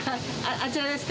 あちらですか？